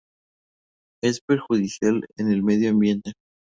Es perjudicial en el medio ambiente.